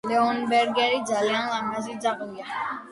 ლეონბერგერი ძალიან ლამაზი ძაღლია.